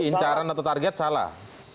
incaran atau target salah